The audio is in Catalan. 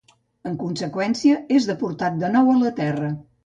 En conseqüència, és deportat de nou a la Terra.